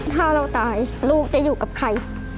ถ้าเราตายลูกจะอยู่กับใคร